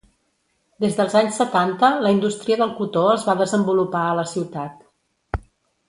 Des dels anys setanta la indústria del cotó es va desenvolupar a la ciutat.